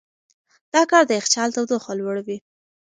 دا کار د یخچال تودوخه لوړوي.